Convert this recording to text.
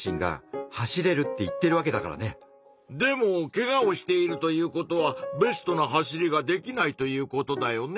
でもけがをしているということはベストな走りができないということだよね？